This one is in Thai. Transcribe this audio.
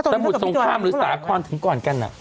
สมุทรสงครามหรือสาครถึงก่อนกัน